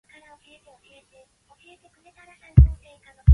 The motif of relationalism refers to both experiences and relationships.